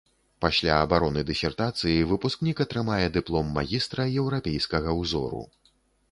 Пасля абароны дысертацыі выпускнік атрымае дыплом магістра еўрапейскага ўзору.